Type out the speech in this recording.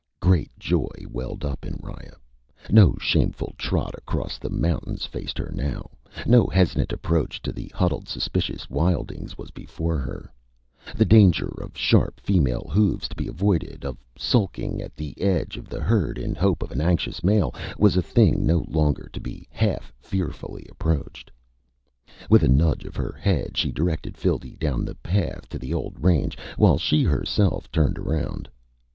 _ Great joy welled up in Riya. No shameful trot across the mountains faced her now. No hesitant approach to the huddled, suspicious wildlings was before her. The danger of sharp female hooves to be avoided, of skulking at the edge of the herd in hope of an anxious male, was a thing no longer to be half fearfully approached. With a nudge of her head, she directed Phildee down the path to the old range while she herself turned around.